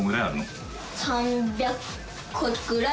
３００個ぐらい？